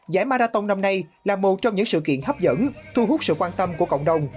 giải marathon năm nay là một trong những sự kiện hấp dẫn thu hút sự quan tâm của cộng đồng